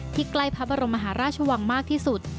ใกล้พระบรมมหาราชวังมากที่สุด